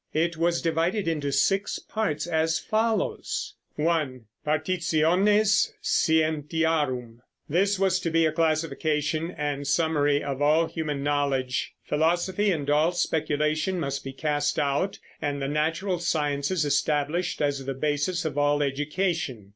It was divided into six parts, as follows: 1. Partitiones Scientiarum. This was to be a classification and summary of all human knowledge. Philosophy and all speculation must be cast out and the natural sciences established as the basis of all education.